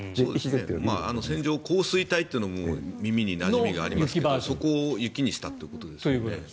線状降水帯というのも耳になじみがありますのでそこを雪にしたということですね。